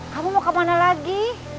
kamu mau kemana lagi